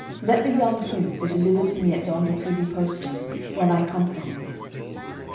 Let the young Prince be delivered to me at yonder privy postern, when I come for him."